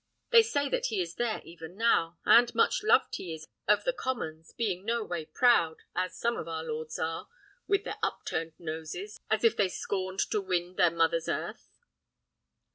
They say that he is there even now. And much loved is he of the commons, being no way proud, as some of our lords are, with their upturned noses, as if they scorned to wind their mother earth."